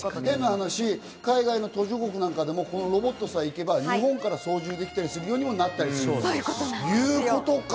変な話、海外の途上国なんかでもロボットさえ行けば日本から操縦できるようになるということか。